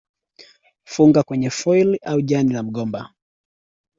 Funga kwenye foili au jani la mgomba